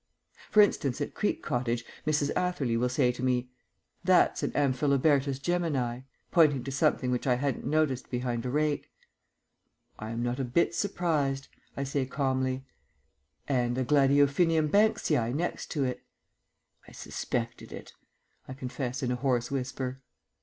For instance, at Creek Cottage, Mrs. Atherley will say to me, "That's an Amphilobertus Gemini," pointing to something which I hadn't noticed behind a rake. "I am not a bit surprised," I say calmly. "And a Gladiophinium Banksii next to it." "I suspected it," I confess in a hoarse whisper.